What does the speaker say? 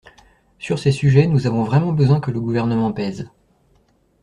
Sur ces sujets, nous avons vraiment besoin que le Gouvernement pèse.